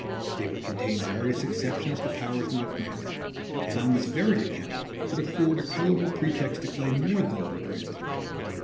They would contain various exceptions to powers not granted; and, on this very account, would afford a colorable pretext to claim more than were granted.